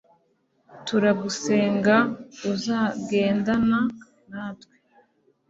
turagusenga uzagendana natwe